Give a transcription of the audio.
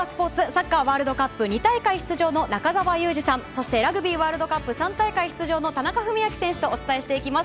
サッカーワールドカップ、２大会出場の中澤佑二さん、そしてラグビーワールドカップ、３大会出場の田中史朗選手とお伝えしていきます。